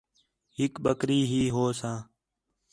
ہِک بکری ہی ہوساں